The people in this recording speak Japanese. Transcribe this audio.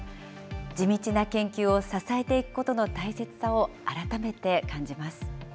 地道な研究を支えていくことの大切さを改めて感じます。